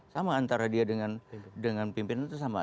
sama antara dia dengan pimpinan itu sama